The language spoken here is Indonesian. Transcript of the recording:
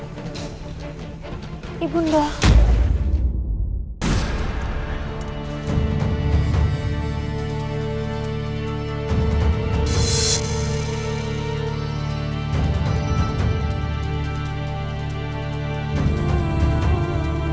mereka selalu mengubah aku